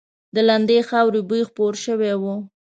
د لندې خاورې بوی خپور شوی و.